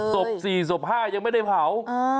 ศพ๔ศพ๕ยังไม่ได้เผา